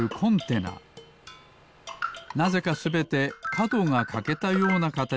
なぜかすべてかどがかけたようなかたちをしています。